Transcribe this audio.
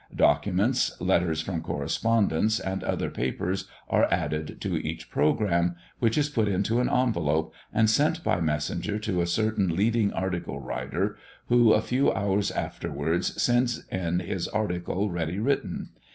Documents, letters from correspondents, and other papers are added to each programme, which is put into an envelope, and sent by messenger to a certain leading article writer, who, a few hours afterwards, sends in his article ready written.